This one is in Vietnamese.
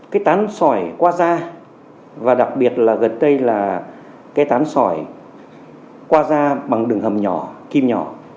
cái tán sỏi qua da và đặc biệt là gần đây là cái tán sỏi qua da bằng đường hầm nhỏ kim nhỏ